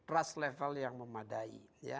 rush level yang memadai